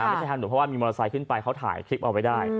ไม่ใช่ทางหนูเพราะว่ามีมอเตอร์ไซค์ขึ้นไปเขาถ่ายคลิปเอาไว้ได้